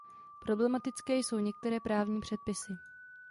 Problematické jsou některé právní předpisy.